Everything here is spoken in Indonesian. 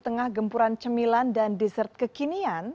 di tengah gempuran cemilan dan dessert kekinian